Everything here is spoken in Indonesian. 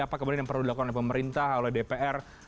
apa kemudian yang perlu dilakukan oleh pemerintah oleh dpr